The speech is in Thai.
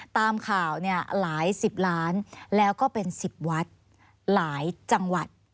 ตามข่าวเนี่ยหลายสิบล้านแล้วก็เป็น๑๐วัดหลายจังหวัด